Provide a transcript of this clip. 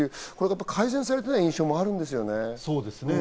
改善されてない印象もあるんですよね。